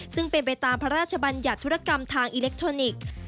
ซึ่งเป็นไปตามพระราชบัญญัติธุรกรรมทางอิเล็กทรอนิกส์